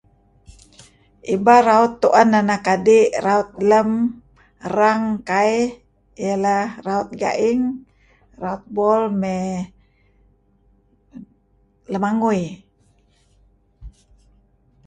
Ibal raut tu'en anak adi' raut lem erang kai iyah lah raut gaing raut bol mey lamagui.